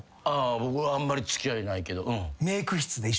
僕はあんまり付き合いないけど。